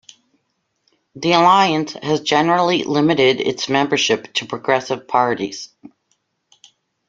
The Alliance has generally limited its membership to progressive parties.